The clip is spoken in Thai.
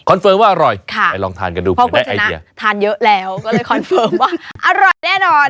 คอนเฟิร์มว่าอร่อยค่ะไปลองทานกันดูเพื่อได้ไอเดียพอคุณชนะทานเยอะแล้วก็เลยคอนเฟิร์มว่าอร่อยแน่นอนนะ